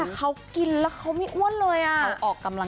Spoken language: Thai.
แต่เขากินแล้วเขาไม่อ้วนเลย